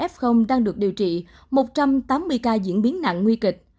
một trăm một mươi bảy chín trăm linh hai f đang được điều trị một trăm tám mươi ca diễn biến nặng nguy kịch